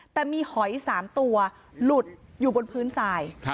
แต่มีหอย๓ตัวหลุดอยู่บนพื้นทราย